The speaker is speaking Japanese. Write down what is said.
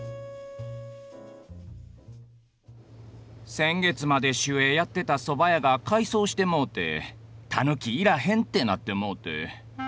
先月まで守衛やってたそば屋が改装してもうて「たぬきいらへん」ってなってもうて。